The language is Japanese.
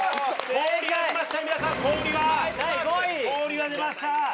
氷が出ました！